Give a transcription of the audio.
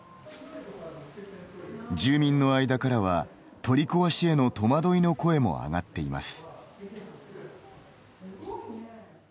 住民の間からは、取り壊しへの戸惑いの声も上がっています。